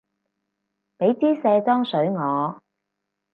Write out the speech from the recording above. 畀枝卸妝水我